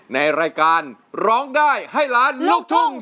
ในรายการร้องได้ให้ล้านลูกทุ่ง